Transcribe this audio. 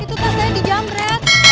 itu tasnya di jamret